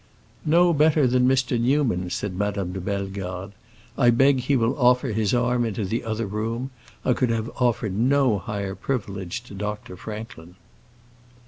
"Not better than Mr. Newman," said Madame de Bellegarde. "I beg he will offer his arm into the other room. I could have offered no higher privilege to Dr. Franklin."